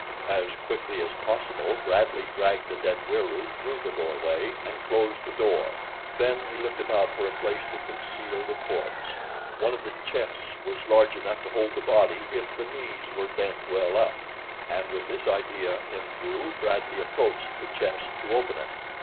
As quickly as possible Bradley dragged the dead Wieroo through the doorway and closed the door; then he looked about for a place to conceal the corpse. One of the chests was large enough to hold the body if the knees were bent well up, and with this idea in view Bradley approached the chest to open it.